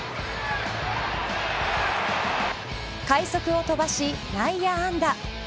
快足を飛ばし内野安打。